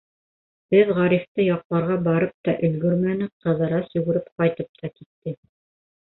Беҙ Ғарифты яҡларға барып та өлгөрмәнек, Ҡыҙырас йүгереп ҡайтып та китте.